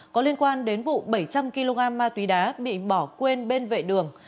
có liên quan đến vụ bảy trăm linh kg ma túy đá bị bỏ quên bên vệ đường